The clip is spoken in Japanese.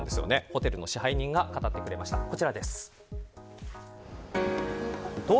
ホテルの支配人が語ってくれましたこちらです。